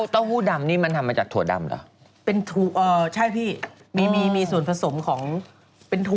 ต้มในน้ำเหมือนน้ำเขาเรียกว่าน้ำไข่พะโล่อะค่ะ